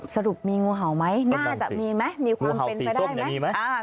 สรุปมีงูเห่าไหมน่าจะมีไหมมีความเป็นไปได้ไหม